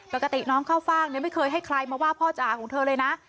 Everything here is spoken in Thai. ปกติน้องข้าวฟ่างไม่เคยให้ใครมาว่าพ่อจ๋าของเธอเลยนะ